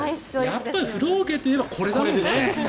やっぱり風呂桶といえばこれだからね。